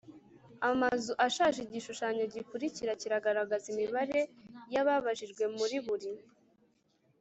amazu ashaje Igishushanyo gikurikira kiragaragaza imibare y ababajijwe muri buri